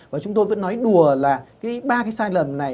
và chúng tôi vẫn nói đùa là cái ba cái sai lầm này